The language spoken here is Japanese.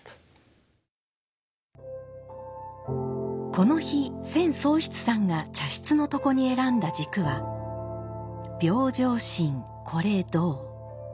この日千宗室さんが茶室の床に選んだ軸は「平生心是道」。